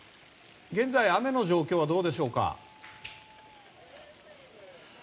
現在、雨の状況はどうでしょうか？